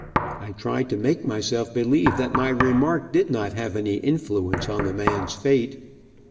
I tried to make myself believe that my remark did not have any influence on the man's fate.